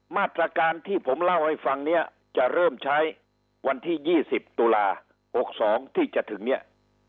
มาตรการที่ผมเล่าให้ฟังเนี่ยจะเริ่มใช้วันที่๒๐ตุลา๖๒ที่จะถึงเนี่ย